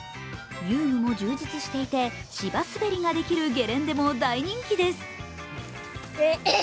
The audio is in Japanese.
遊具も充実していて、芝滑りができるゲレンデも大人気です。